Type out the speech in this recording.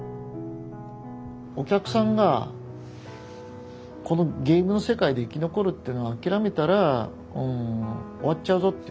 お客さんがこのゲームの世界で生き残るっていうのを諦めたらうん終わっちゃうぞっていう。